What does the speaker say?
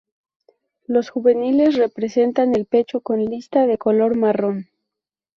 Los juveniles presentan el pecho con listas de color marrón.